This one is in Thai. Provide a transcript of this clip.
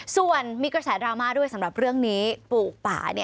ส่วนมีกระแสดราม่าด้วยสำหรับเรื่องนี้ปลูกป่า